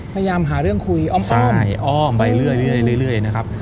พยายามหาเรื่องคุยอ้อมอ้อมไปเรื่อยนะครับ